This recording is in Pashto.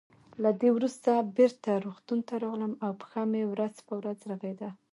له دې وروسته بېرته روغتون ته راغلم او پښه مې ورځ په ورځ رغېده.